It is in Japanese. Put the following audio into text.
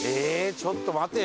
ちょっと待てよ。